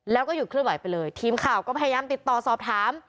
แล้วก็หยุดเคลื่อนไหวไปเลยทีมข่าวก็พยายามติดต่อสอบถาม